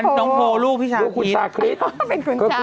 นี่น้องโภลลูกพี่สาคริส